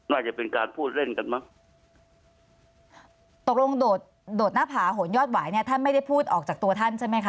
น่าจะเป็นการพูดเล่นกันมั้งตกลงโดดโดดหน้าผาโหนยอดหวายเนี้ยท่านไม่ได้พูดออกจากตัวท่านใช่ไหมคะ